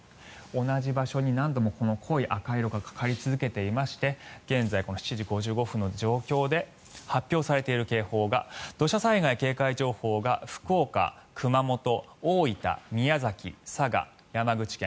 同じ場所に何度も濃い赤色がかかり続けていまして現在、７時５５分の状況で発表されている警報が土砂災害警戒情報が福岡、熊本、大分宮崎、佐賀、山口県。